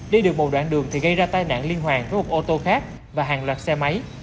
đi được một đoạn đường thì gây ra tai nạn liên hoàn với một ô tô khác và hàng loạt xe máy